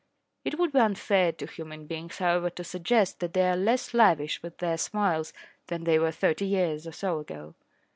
It would be unfair to human beings, however, to suggest that they are less lavish with their smiles than they were thirty years or so ago.